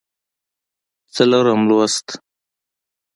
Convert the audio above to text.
څلورم لوست